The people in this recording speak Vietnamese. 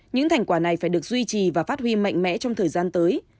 những thành quả này phải được duy trì và phát huy mạnh mẽ trong thời gian tới